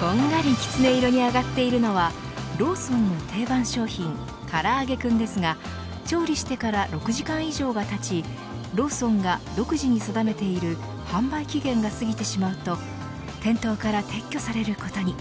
こんがりきつね色に揚がっているのはローソンの定番商品からあげクンですが調理してから６時間以上がたちローソンが独自に定めている販売期限が過ぎてしまうと店頭から撤去されることに。